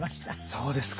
そうですか。